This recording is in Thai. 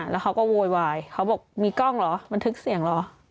แล้วเขาก็โวยวายเขาบอกมีกล้องเหรอบันทึกเสียงเหรอ